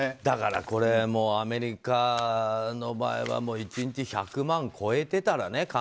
だから、アメリカの場合は１日１００万超えてたらね